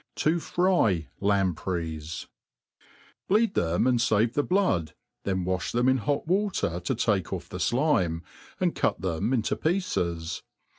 To fry Lampnys* BLEEP them and fave the blood, then wafh them in hot water to take ofF the flime, and ctit them to pieces.